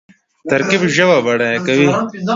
ترکیب ژبه بډایه کوي.